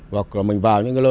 hoặc là mình vào những cái lực